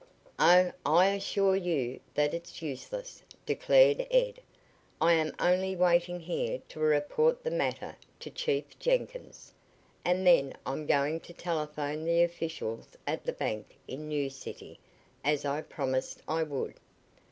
"Oh, I assure you that it's useless," declared Ed. "I am only waiting here to report the matter to Chief Jenkins, and then I'm going to telephone the officials at the bank in New City, as I promised I would."